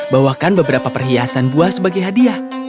bawakan beberapa perhiasan buah sebagai hadiah